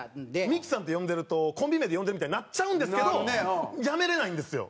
「ミキさん」って呼んでるとコンビ名で呼んでるみたいになっちゃうんですけどやめれないんですよ。